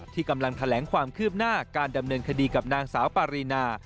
ที่กำลังแถลงความคืบหน้าการดำเนินคดีกับนางสาวปารีนา